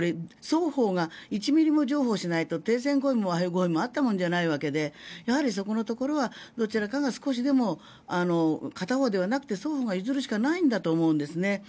双方が１ミリも譲歩しないと停戦交渉も和平合意もあったもんじゃないわけでやはりそこのところはどちらかが少しでも片方ではなくて双方が譲るしかないんだと思うんですね。